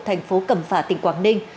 thành phố cẩm phả tỉnh quảng ninh